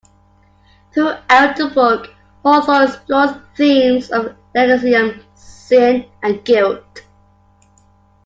Throughout the book, Hawthorne explores themes of legalism, sin, and guilt.